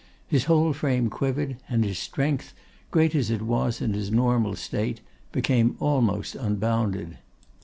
His whole frame quivered, and his strength, great as it was in his normal state, became almost unbounded.